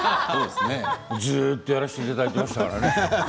ずっとやらせていただきましたからね。